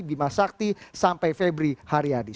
bima sakti sampai febri haryadi